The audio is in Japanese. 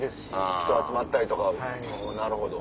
人集まったりとかなるほど。